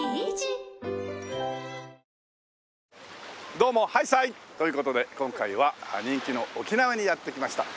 どうもはいさい！という事で今回は人気の沖縄にやって来ました。